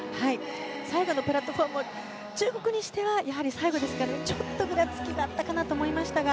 最後のプラットフォームも中国にしては、最後ですからちょっとぐらつきがあったかなと思いましたが